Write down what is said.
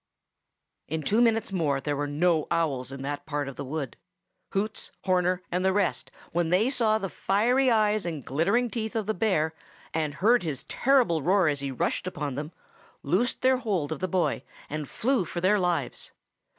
In two minutes more there were no owls in that part of the wood. Hoots, Horner, and the rest, when they saw the fiery eyes and glittering teeth of the bear, and heard his terrible roar, as he rushed upon them, loosed their hold of the boy, and flew for their lives.